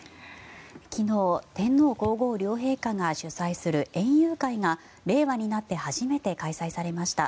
昨日天皇・皇后両陛下が主催する園遊会が令和になって初めて開催されました。